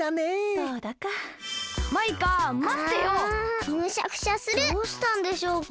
どうしたんでしょうか？